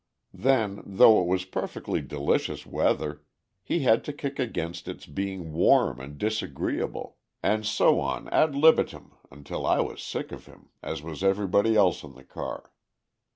Then, though it was perfectly delicious weather, he had to kick against its being warm and disagreeable, and so on ad libitum until I was sick of him, as was everybody else in the car.